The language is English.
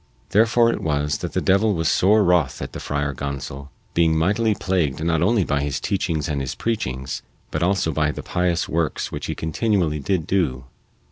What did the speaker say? Therefore it was that the devil was sore wroth at the Friar Gonsol, being mightily plagued not only by his teachings and his preachings, but also by the pious works which he continually did do.